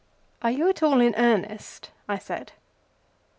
"Are you at all in earnest?" I said.